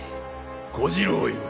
小次郎よ